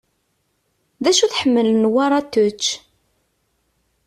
D acu i tḥemmel Newwara ad t-tečč?